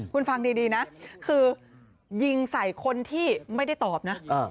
คุณฟังดีนะคือยิงใส่คนที่ไม่ได้ตอบนะ